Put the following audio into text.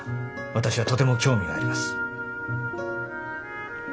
私はとても興味があります。